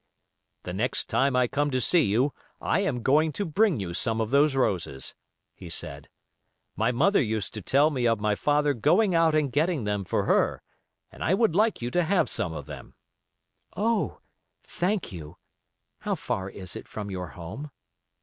"The next time I come to see you I am going to bring you some of those roses," he said. "My mother used to tell me of my father going out and getting them for her, and I would like you to have some of them." "Oh! thank you. How far is it from your home?"